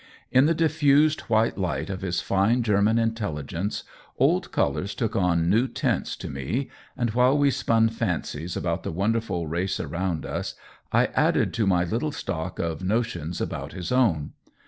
In the diffused white light of his fine German intelligence old colors took on new tints to me, and while we spun fancies about the wonderful race around us I added to my little stock of notions about his own.